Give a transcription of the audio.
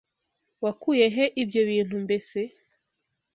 Wakuye he ibyo bintu mbese?